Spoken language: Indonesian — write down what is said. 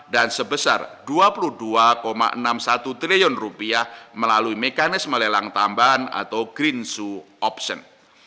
dan sebesar rp dua puluh dua enam puluh satu triliun melalui mekanisme lelang tambahan atau green zoo option